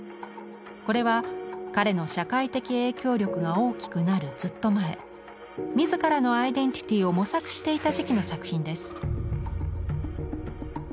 これは彼の社会的影響力が大きくなるずっと前自らのアイデンティティーを模索していた時期の作品です。